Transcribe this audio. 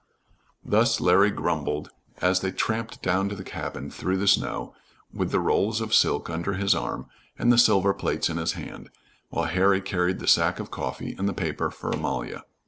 Thus Larry grumbled as they tramped down to the cabin through the snow, with the rolls of silk under his arm, and the silver plates in his hand, while Harry carried the sack of coffee and the paper for Amalia.